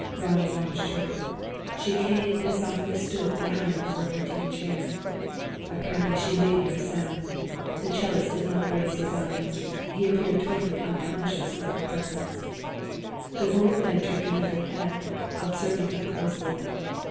Ronnie watched her. She came and softly stood behind the Florentine chair. Apparently she made no sound. The 'cellist did not raise his eyes. He appeared totally unconscious of her presence. The woman bent her beautiful head, observing him closely.